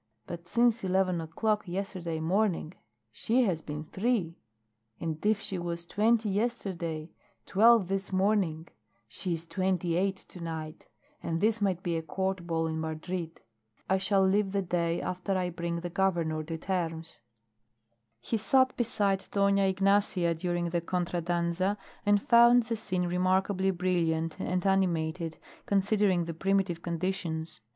But since eleven o'clock yesterday morning she has been three. And if she was twenty yesterday, twelve this morning, she is twenty eight to night, and this might be a court ball in Madrid. I shall leave the day after I bring the Governor to terms." He sat beside Dona Ignacia during the contra danza and found the scene remarkably brilliant and animated considering the primitive conditions.